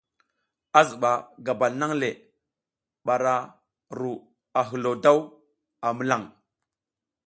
A ziba gabal nang le bara a ru a hilo daw a milan.